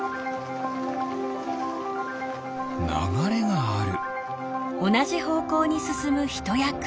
ながれがある。